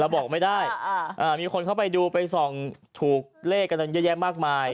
บอกไม่ได้มีคนเข้าไปดูไปส่องถูกเลขกันเยอะแยะมากมาย